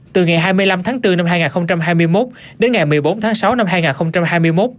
từ ngày hai mươi năm tháng bốn năm hai nghìn hai mươi một đến ngày một mươi bốn tháng sáu năm hai nghìn hai mươi một